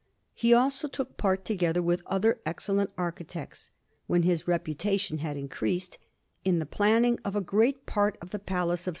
He also took part, together with other excellent architects, when his reputation had increased, in the planning of a great part of the Palace of S.